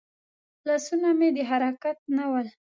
لاسونه مې د حرکت نه ول.